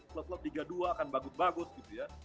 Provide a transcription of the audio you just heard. klub klub liga dua akan bagus bagus gitu ya